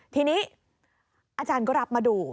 ทีนี้อาจารย์ก็รับมาดู